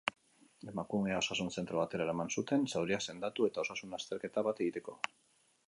Emakumea osasun zentro batera eraman zuten zauriak sendatu eta osasun azterketa bat egiteko.